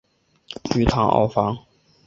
于唐奥方。